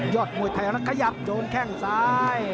ยอดมวยไทยแล้วขยับโยนแข้งซ้าย